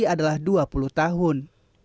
adalah dua puluh tahun